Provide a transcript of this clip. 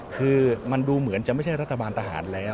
คือมันดูเหมือนจะไม่ใช่รัฐบาลทหารแล้ว